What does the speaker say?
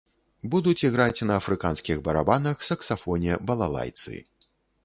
Будуць іграць на афрыканскіх барабанах, саксафоне, балалайцы.